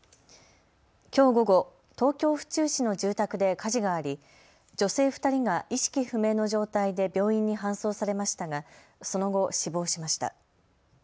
きょう午後、東京府中市の住宅で火事があり女性２人が意識不明の状態で病院に搬送されましたがその後、死亡しました。